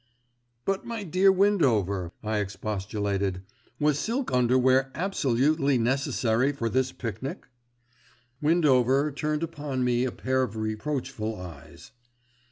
"But my dear Windover," I expostulated, "was silk underwear absolutely necessary for this pic nic?" Windover turned upon me a pair of reproachful eyes.